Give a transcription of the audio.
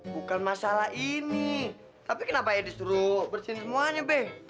bukan masalah ini tapi kenapa ya disuruh bersin semuanya beng